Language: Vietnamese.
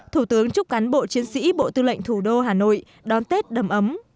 thủ tướng chúc cán bộ chiến sĩ bộ tư lệnh thủ đô hà nội đón tết đầm ấm